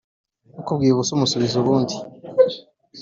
Ukubwiye ubusa umusubiza ubundi.